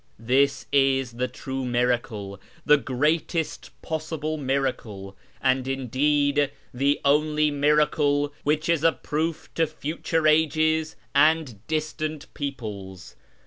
This is the true miracle, the greatest possible miracle, and indeed the only miracle which is a proof to future ages and distant peoples.